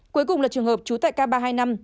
cuối cùng là trường hợp trú tại k ba trăm hai mươi năm